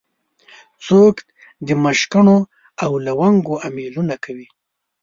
څوک د مشکڼو او لونګو امېلونه کوي